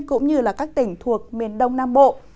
cũng như các tỉnh thuộc miền đông nam bộ